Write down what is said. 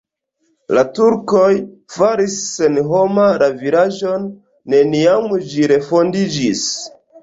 La turkoj faris senhoma la vilaĝon, neniam ĝi refondiĝis.